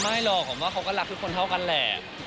ไม่หรอกผมว่าเขาก็รักทุกคนเท่ากันแหละ